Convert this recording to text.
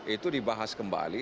itu dibahas kembali